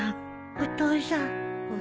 お父さん。